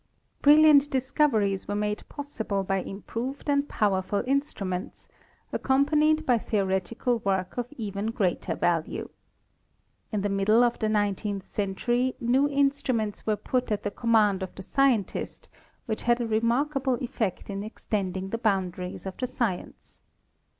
Brilliant discoveries were made pos sible by improved and powerful instruments, accompanied by theoretical work of even greater value. In the middle of the nineteenth century new instruments were put at the command of the scientist which had a remarkable effect in extending the boundaries of the science.